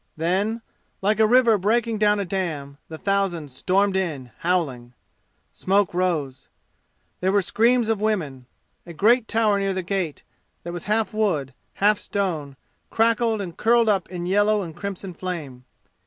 Then, like a river breaking down a dam, the thousands stormed in, howling. Smoke rose. There were screams of women. A great tower near the gate, that was half wood, half stone, crackled and curled up in yellow and crimson flame.